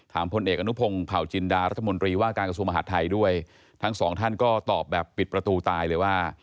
พลเอกอนุพงศ์เผาจินดารัฐมนตรีว่าการกระทรวงมหาดไทยด้วยทั้งสองท่านก็ตอบแบบปิดประตูตายเลยว่า